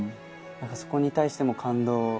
そこに対しても感動。